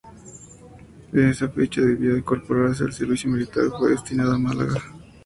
En esa fecha debió incorporarse al servicio militar y fue destinado a Málaga.